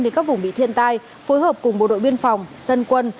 đến các vùng bị thiên tai phối hợp cùng bộ đội biên phòng dân quân